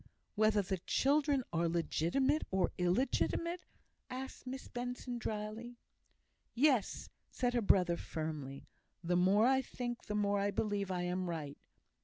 "Whether the children are legitimate or illegitimate?" asked Miss Benson, drily. "Yes!" said her brother, firmly. "The more I think, the more I believe I am right.